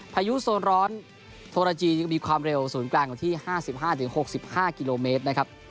พายุโซนร้อนโทรจียังมีความเร็วศูนย์กลางอยู่ที่๕๕๖๕กิโลเมตรนะครับ